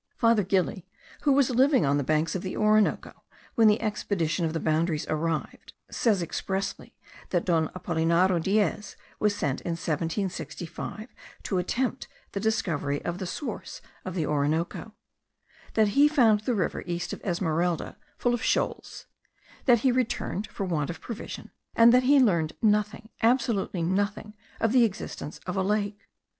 Father Gili, who was living on the banks of the Orinoco when the expedition of the boundaries arrived, says expressly that Don Apollinario Diez was sent in 1765 to attempt the discovery of the source of the Orinoco; that he found the river, east of Esmeralda, full of shoals; that he returned for want of provision; and that he learned nothing, absolutely nothing, of the existence of a lake.